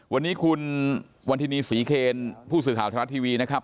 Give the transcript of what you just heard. วันนี้คุณวันทินีศรีเคนผู้สื่อข่าวไทยรัฐทีวีนะครับ